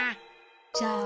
じゃあ。